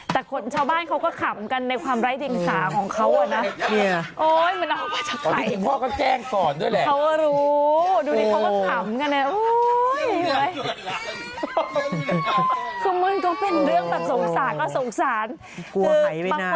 แต่คนชาวบ้านเขาก็ขำกันในความไร้ดิงสาของเขาอะนะ